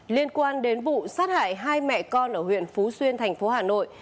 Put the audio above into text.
liên quan đến vụ sát hại hai mẹ con ở huyện phú xuyên tp hà nội